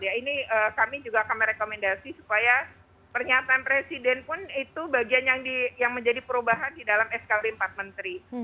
ya ini kami juga akan merekomendasi supaya pernyataan presiden pun itu bagian yang menjadi perubahan di dalam skb empat menteri